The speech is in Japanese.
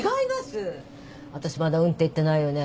私まだうんって言ってないよね。